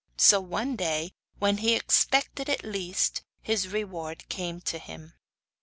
So, one day, when he expected it least, his reward came to him.